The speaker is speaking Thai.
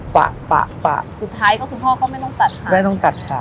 สุดท้ายคุณพ่อไม่ต้องตัดไม่ต้องตัดขา